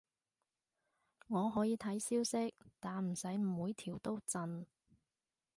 我可以睇消息，但唔使每條都震